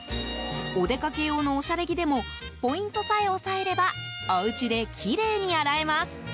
お出かけ用のおしゃれ着でもポイントさえ押さえればお家できれいに洗えます。